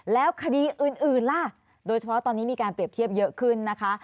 แล้วคดีอื่นล่ะโดยเฉพาะตอนนี้มีการเปรียบเทียบเยอะขึ้นนะคะ